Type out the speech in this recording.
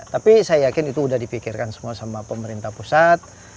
tapi saya yakin itu sudah dipikirkan semua sama pemerintah pusat